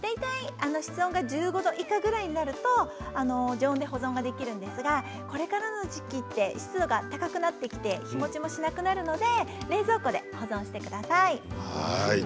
室温が１５度以下ぐらいになると常温で保存ができるんですがこれからの時期湿度が高くなってきて日もちもしなくなるので冷蔵庫で保存してください。